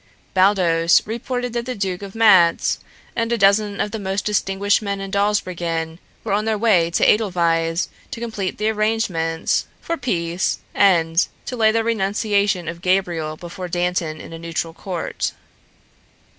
Baldos reported that the Duke of Matz and a dozen of the most distinguished men in Dawsbergen were on their way to Edelweiss to complete arrangements for peace and to lay their renunciation of Gabriel before Dantan in a neutral court.